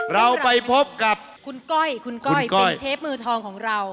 เราไปพบกับคุณก้อยคุณก้อยเป็นเชฟมือทองของเรา